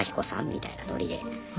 みたいなノリで。